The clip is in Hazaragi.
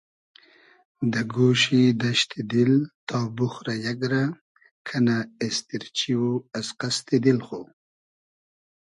دۂ گۉشی دئشتی دیل تا بوخرۂ یئگ رۂ کئنۂ اېستیرچی او از قئستی دیل خو